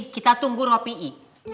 kita tunggu ropi'i